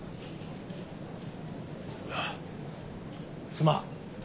すまん。